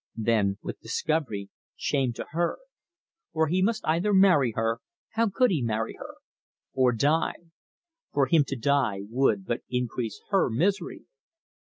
Then, with discovery, shame to her. For he must either marry her how could he marry her? or die. For him to die would but increase her misery.